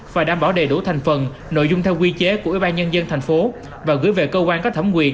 và đảm bảo đầy đủ thành phần nội dung theo quy chế của ubnd tp và gửi về cơ quan có thẩm quyền